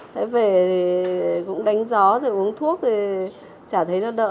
thế về cũng đánh gió rồi uống thuốc thì chả thấy nó đỡ